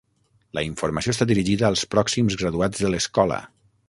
La informació està dirigida als pròxims graduats de l'escola.